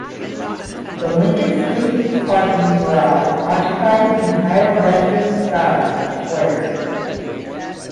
The Lincoln Street Parking Garage occupies the entire western side of the square.